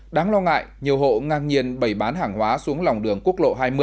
đáng lo ngại nhiều hộ ngang nhiên bày bán hàng hóa xuống lòng đường quốc lộ hai mươi